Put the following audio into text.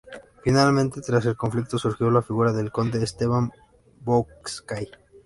Finalmente, tras el conflicto surgió la figura del conde Esteban Bocskai.